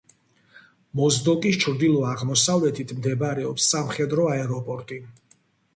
მოზდოკის ჩრდილო-აღმოსავლეთით მდებარეობს სამხედრო აეროპორტი.